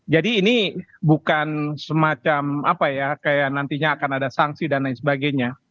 jadi ini bukan semacam apa ya kayak nantinya akan ada sanksi dan lain sebagainya